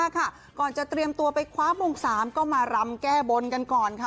ก่อนจะเตรียมตัวไปคว้ามง๓ก็มารำแก้บนกันก่อนค่ะ